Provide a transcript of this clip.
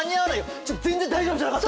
ちょっ全然大丈夫じゃなかった！